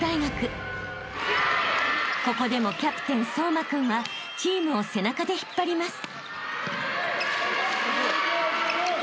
［ここでもキャプテン颯真君はチームを背中で引っ張ります］